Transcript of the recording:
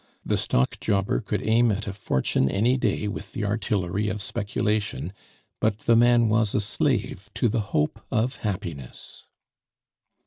The stock jobber could aim at a fortune any day with the artillery of speculation, but the man was a slave to the hope of happiness.